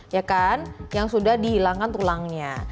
ya kan yang sudah dihilangkan tulangnya